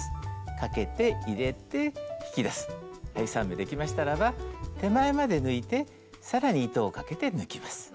３目できましたらば手前まで抜いて更に糸をかけて抜きます。